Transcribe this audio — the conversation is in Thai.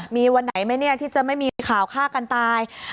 มีวันไหนไหมเนี่ยที่จะไม่มีข่าวฆ่ากันตาย